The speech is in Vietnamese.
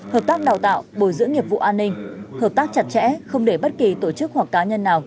hợp tác đào tạo bồi dưỡng nghiệp vụ an ninh hợp tác chặt chẽ không để bất kỳ tổ chức hoặc cá nhân nào